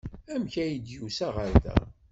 Amek ay d-yusa ɣer da?